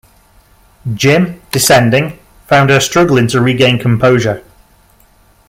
Jim, descending, found her struggling to regain composure.